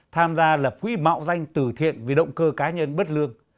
tham gia lập quỹ mạo danh từ thiện vì động cơ cá nhân bất lương